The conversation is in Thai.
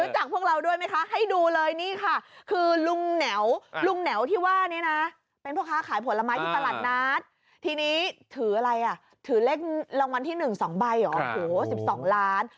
ถืออะไรอ่ะถือเลขรางวัลที่หนึ่งสองใบอ่ะโหสิบสองล้าน